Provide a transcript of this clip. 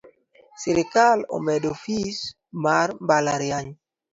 Sirkal omedo fees mar mbalariany.